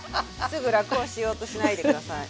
すぐ楽をしようとしないで下さい。